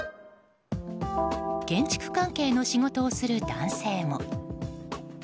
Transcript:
建築関係の仕事をする男性も。